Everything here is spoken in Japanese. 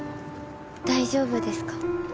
大丈夫ですか？